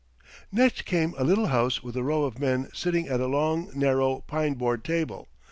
Next came a little house with a row of men sitting at a long, narrow pine board table.